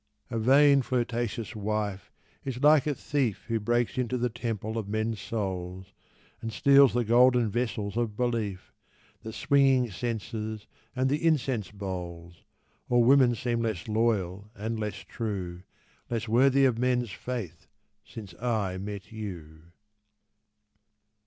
A vain, flirtatious wife is like a thief Who breaks into the temple of men's souls, And steals the golden vessels of belief, The swinging censers, and the incense bowls. All women seem less loyal and less true, Less worthy of men's faith since I met you.